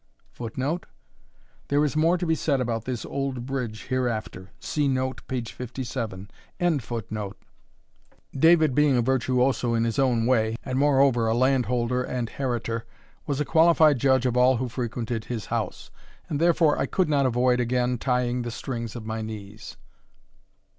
[Footnote: There is more to be said about this old bridge hereafter. See Note, p. 57.] David being a virtuoso in his own way, and moreover a landholder and heritor, was a qualified judge of all who frequented his house, and therefore I could not avoid again tying the strings of my knees.